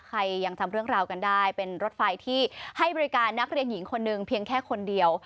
ใครยังจำเรื่องราวกันได้เป็นรถไฟที่ให้บริการนักเรียนหญิงคนหนึ่งเพียงแค่คนเดียว